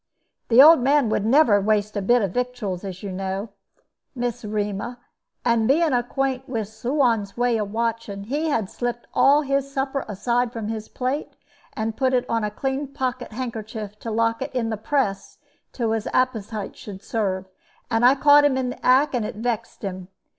"The old man would never waste a bit of victuals, as you know, Miss 'Rema; and, being acquaint with Suan's way of watching, he had slipped all his supper aside from his plate, and put it on a clean pocket handkerchief to lock it in the press till his appetite should serve; and I caught him in the act, and it vexed him.